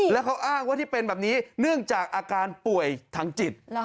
แล้วเขาอ้างว่าที่เป็นแบบนี้เนื่องจากอาการป่วยทางจิต